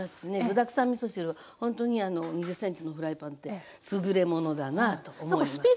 具だくさんみそ汁はほんとに２０ｃｍのフライパンってすぐれものだなと思います。